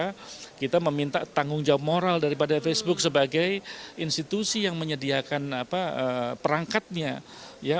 nah ini yang kita khawatirkan maka kita meminta tanggung jawab moral daripada facebook sebagai institusi yang menyediakan perangkatnya ya